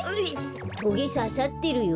トゲささってるよ。